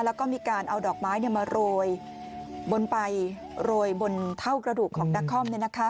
แล้วก็มีการเอาดอกไม้มาโรยบนไปโรยบนเท่ากระดูกของนักคอม